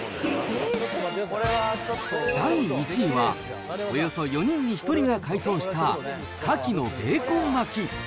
第１位は、およそ４人に１人が回答したカキのベーコン巻き。